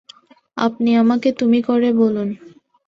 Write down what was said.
আপনি আমাকে তুমি করে বলুন।